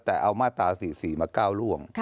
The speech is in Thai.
แต่เอามาตรา๔๔มาก้าวร่วง